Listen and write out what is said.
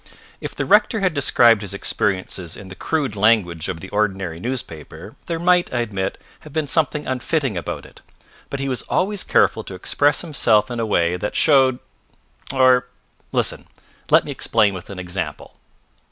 If the rector had described his experiences in the crude language of the ordinary newspaper, there might, I admit, have been something unfitting about it. But he was always careful to express himself in a way that showed, or, listen, let me explain with an example.